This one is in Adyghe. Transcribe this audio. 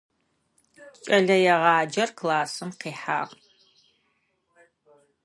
Кӏэлэегъаджэр классым къихьагъ.